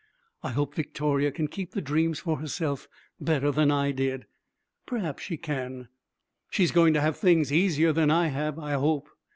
I hope Victoria can keep the dreams for herself better than I did. Perhaps she can. She's going to have things easier than I have, I hope.